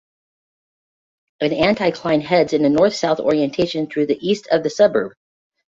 An anticline heads in a north-south orientation through the east of the suburb.